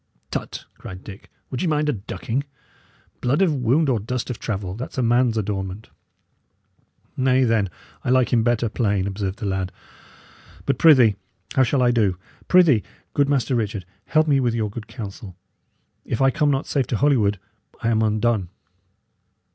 "Tut!" cried Dick. "Would ye mind a ducking? Blood of wound or dust of travel that's a man's adornment." "Nay, then, I like him better plain," observed the lad. "But, prithee, how shall I do? Prithee, good Master Richard, help me with your good counsel. If I come not safe to Holywood, I am undone."